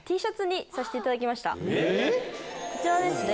こちらですね。